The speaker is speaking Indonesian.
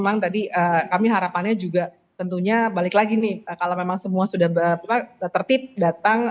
memang tadi kami harapannya juga tentunya balik lagi nih kalau memang semua sudah tertib datang